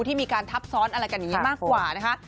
ที่มีการทับซ้อนอะไรกันอย่างนี้มากกว่านะคะ